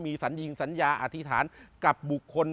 สัญญิงสัญญาอธิษฐานกับบุคคล